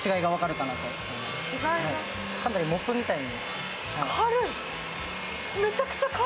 かなりモップみたいに。